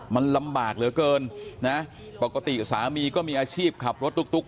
มันลำบากเหลือเกินนะปกติสามีก็มีอาชีพขับรถตุ๊ก